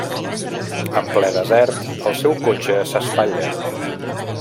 En ple desert, el seu cotxe s'espatlla.